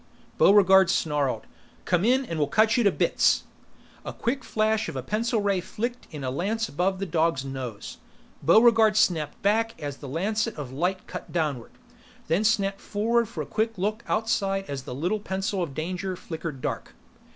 Buregarde snarled, "Come in and we'll cut you to bits!" The quick flash of a pencil ray flicked in a lance above the dog's nose: Buregarde snapped back as the lancet of light cut downward, then snapped forward for a quick look outside as the little pencil of danger flickered dark.